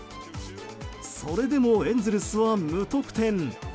それでもエンゼルスは無得点。